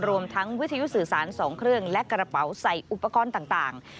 รวมทั้งวิทยุสื่อสาร๒เครื่องและกระเป๋าใส่อุปกรณ์ต่าง